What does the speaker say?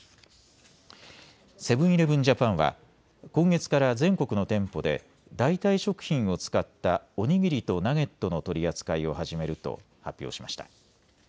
セブン‐イレブン・ジャパンは今月から全国の店舗で代替食品を使ったお握りとナゲットの取り扱いを始めると発表しました。